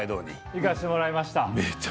行かせてもらいました。